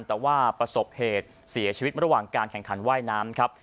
แต่ว่าประสบเหตุเสียชีวิตระหว่างการแข่งขันว่ายน้ำครับ